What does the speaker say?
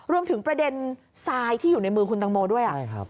รวมถึงประเด็นทรายที่อยู่ในมือคุณตังโมด้วย